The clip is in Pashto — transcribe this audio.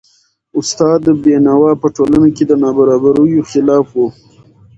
استاد بینوا په ټولنه کي د نابرابریو خلاف و .